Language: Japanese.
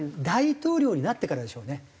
大統領になってからでしょうね。